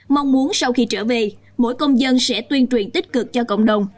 mong muốn sau khi trở về mỗi công dân sẽ tuyên truyền tích cực cho cộng đồng